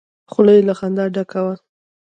خوله يې له خندا ډکه وه.